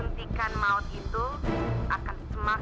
suntikan maut itu akan semakin sifikant